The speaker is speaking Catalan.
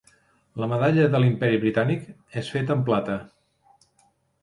La Medalla de l'Imperi Britànic és feta en plata.